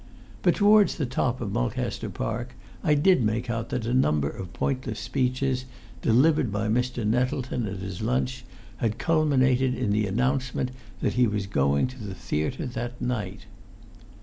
But towards the top of Mulcaster Park I did make out that a number of pointless speeches, delivered by Mr. Nettleton at his lunch, had culminated in the announcement that he was going to the theatre that night.